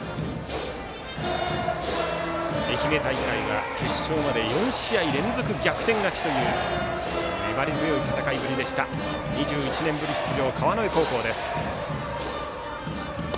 愛媛大会は決勝まで４試合連続の逆転勝ちという粘り強い戦いぶりでした２１年ぶり出場の川之江高校です。